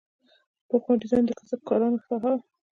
پخوا ډیزاین د کسبکارانو ساحه وه.